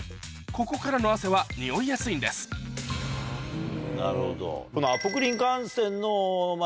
ここからの汗はにおいやすいんですなるほど。